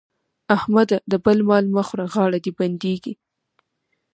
احمده! د بل مال مه خوره غاړه دې بندېږي.